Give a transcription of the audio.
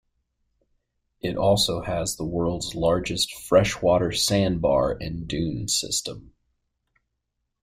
It also has the world's largest fresh water sand bar and dune system.